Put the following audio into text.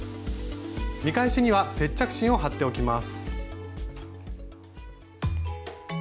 見返しには接着芯を貼っておきます。